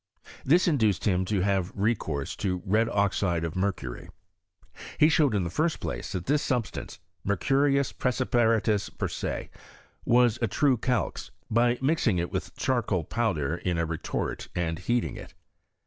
This induced him to have recourse to red oxide of mer cury. He showed in the first place that this sub stance Imercurius prtecipVatus per se) was a true calx, by mixing it with charcoal powder in a retort J and heating it.